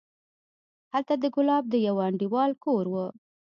هلته د ګلاب د يوه انډيوال کور و.